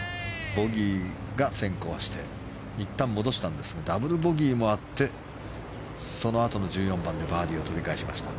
ボギーが先行していったん戻したんですがダブルボギーもあってそのあとの１４番でバーディーを取り返しました。